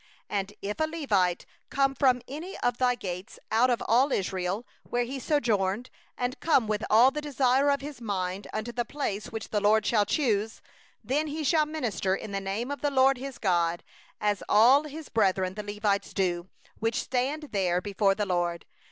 6And if a Levite come from any of thy gates out of all Israel, where he sojourneth, and come with all the desire of his soul unto the place which the LORD shall choose; 7then he shall minister in the name of the LORD his God, as all his brethren the Levites do, who stand there before the LORD.